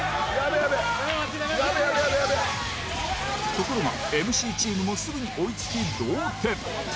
ところが ＭＣ チームもすぐに追い付き同点！